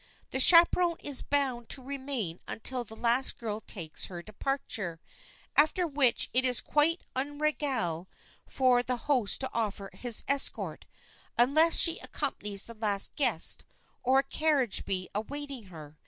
The chaperon is bound to remain until the last girl takes her departure, after which it is quite en règle for the host to offer his escort, unless she accompanies the last guest, or a carriage be awaiting her.